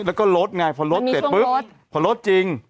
แล้วก็รดไงพรอดเต้นก็ปุ๊บพรอดจริง